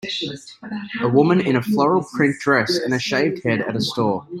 A woman in a floral print dress and a shaved head at a store.